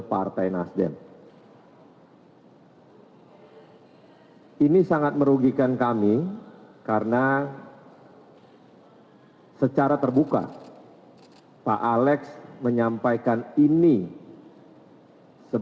para reservasi para reservasi demokrasi para reservasi retorik pagi penangkapmen takiej